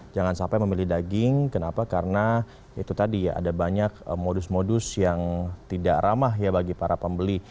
jangan sampai memilih daging kenapa karena itu tadi ya ada banyak modus modus yang tidak ramah ya bagi para pembeli